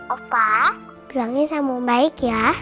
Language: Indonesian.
opa bilangnya sama baik ya